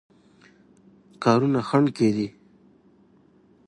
کارونو خنډ کېدی.